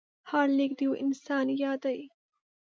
هر لیک د یو انسان یاد دی.